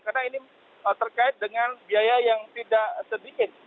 karena ini terkait dengan biaya yang tidak sedikit